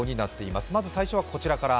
まず最初はこちらから。